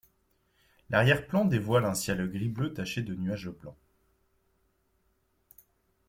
L’arrière-plan dévoile un ciel gris-bleu taché de nuages blancs.